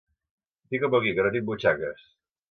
Fica-m'ho aquí, que no tinc butxaques!